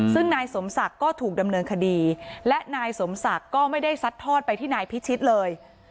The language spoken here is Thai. ซึ่งนายสมศักดิ์ก็ถูกดำเนินคดีและนายสมศักดิ์ก็ไม่ได้ซัดทอดไปที่นายพิชิตเลย